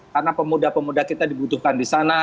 karena pemuda pemuda kita dibutuhkan disana